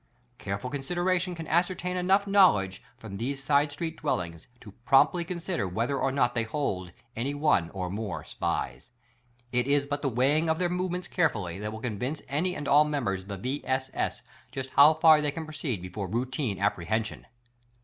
'Careful consideration can ascertain enough knowledge from these side street dwellings to promptly consider whether or not they hold any one or more SPIES. It is but the weighing of their movements carefully that will convince any and all members of the V. S. S. just how far they can proceed before routine apprehension.